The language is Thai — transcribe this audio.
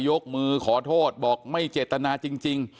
ยกมือขอโทษบอกไม่เจตนาจริง